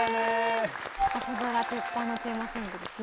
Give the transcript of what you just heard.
朝ドラ「てっぱん」のテーマソングですね。